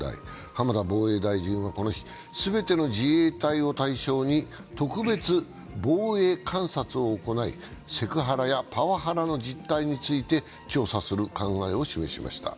浜田防衛大臣はこの日、全ての自衛隊を対象に特別防衛監察を行い、セクハラやパワハラの実態について調査する考えを示しました。